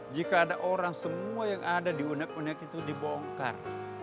jika ada orang semua yang ada di unek unek itu dibongkar